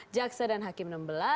jaksa dan hakim enam belas